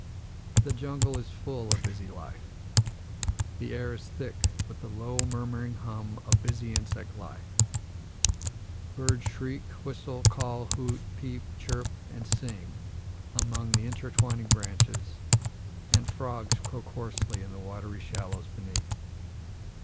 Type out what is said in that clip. The jungle is full of busy life. The air is thick with the low, murmuring hum of busy insect life, birds shriek, whistle, call, hoot, peep, chirp, and sing among the intertwining branches, and frogs croak hoarsely in the watery shallows beneath.